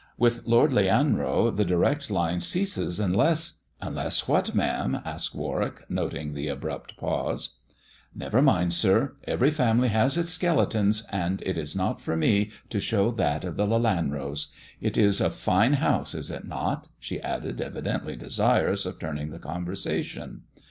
With Lord Lelanro the direct line ceases, unless " "Unless what, ma'am?" asked Warwick, noting the abrupt pause. THE dwarf's chamber 15 "Never mind, sir. Every fanuly has its skeleton, and it is not for me to show that of the Lelanros. It is a fine house, is it not ?" she added, evidently desirous of turning the conversation.